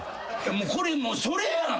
これもうそれやん！